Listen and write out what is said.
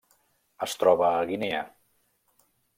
Es troba a Guinea.